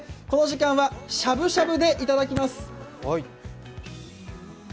この時間はしゃぶしゃぶで頂きます。